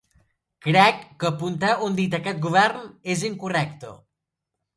Crec que apuntar un dit a aquest govern és incorrecte.